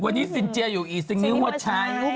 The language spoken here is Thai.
วันนี้ซินเจียอยู่อีซิงนิ้วว่าใช้